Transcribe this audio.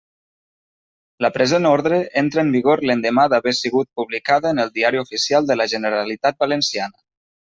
La present ordre entra en vigor l'endemà d'haver sigut publicada en el Diari Oficial de la Generalitat Valenciana.